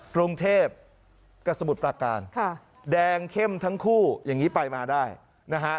กรุงเทพกับสมุทรประการค่ะแดงเข้มทั้งคู่อย่างนี้ไปมาได้นะฮะ